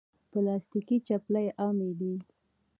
پلاستيکي چپلی عامې دي.